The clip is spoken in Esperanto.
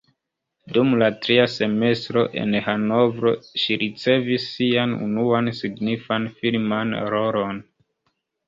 Dum la tria semestro en Hanovro ŝi ricevis sian unuan signifan filman rolon.